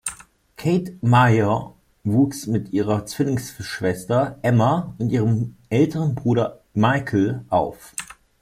Kate Major wuchs mit ihrer Zwillingsschwester "Emma" und ihrem älteren Bruder "Michael" auf.